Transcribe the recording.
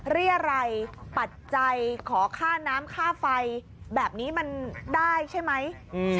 เรียรัยปัจจัยขอค่าน้ำค่าไฟแบบนี้มันได้ใช่ไหม